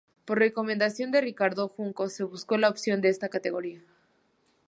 Por recomendación de Ricardo Juncos, se buscó la opción de esta categoría.